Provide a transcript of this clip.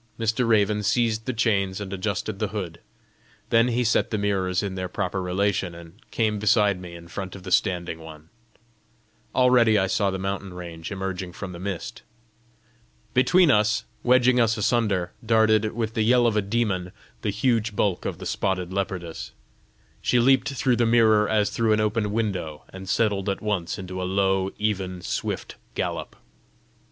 Mr. Raven seized the chains and adjusted the hood. Then he set the mirrors in their proper relation, and came beside me in front of the standing one. Already I saw the mountain range emerging from the mist. Between us, wedging us asunder, darted, with the yell of a demon, the huge bulk of the spotted leopardess. She leaped through the mirror as through an open window, and settled at once into a low, even, swift gallop.